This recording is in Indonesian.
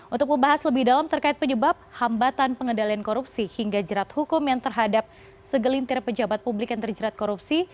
untuk membahas lebih dalam terkait penyebab hambatan pengendalian korupsi hingga jerat hukum yang terhadap segelintir pejabat publik yang terjerat korupsi